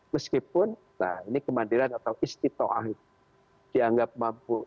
meskipun ini kemandiran atau istiqa ah dianggap mampu